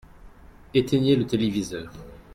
Éteignez le téléviseur.